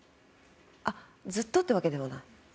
あっずっとってわけではない？